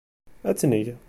Ad tt-neg.